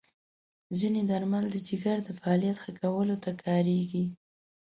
ځینې درمل د جګر د فعالیت ښه کولو ته کارېږي.